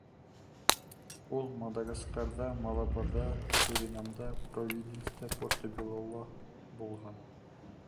Ул Мадагаскарҙа, Малабарҙа, Суринамда, Провиденста, Порто-Беллола булған.